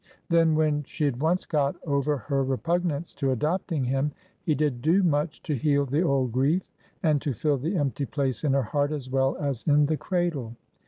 Then, when she had once got over her repugnance to adopting him, he did do much to heal the old grief, and to fill the empty place in her heart as well as in the cradle.